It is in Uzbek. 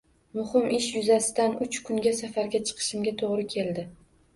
Muhim ish yuzasidan uch kunga safarga chiqishimga toʻgʻri keldi